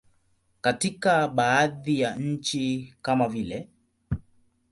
Katika baadhi ya nchi kama vile.